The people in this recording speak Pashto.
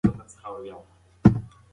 هر ثبت شوی توری پښتو ته یو نوی قوت بښي.